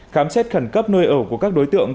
khám xét khẩn cấp nơi ở của các đối tượng